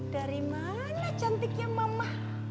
dari mana cantiknya mama